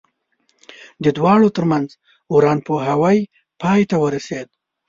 د دواړو ترمنځ ورانپوهاوی پای ته ورسېد.